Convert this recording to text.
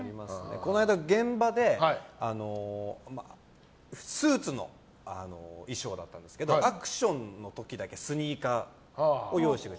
この間、現場でスーツの衣装だったんですけどアクションの時だけスニーカーを用意してもらって。